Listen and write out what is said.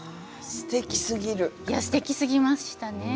すてきすぎましたね。